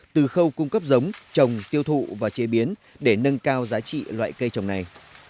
từ khâu cung cấp giống trồng tiêu thụ và chế biến để nâng cao giá trị loại cây trồng này